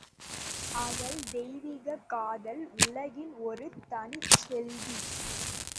அவள் தெய்வீகக் காதல் உலகின் ஒரு தனிச் செல்வி.